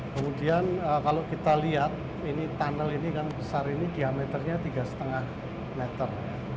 kemudian kalau kita lihat ini tunnel ini kan besar ini diameternya tiga lima meter